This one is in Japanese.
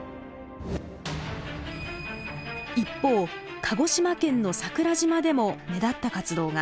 一方鹿児島県の桜島でも目立った活動が。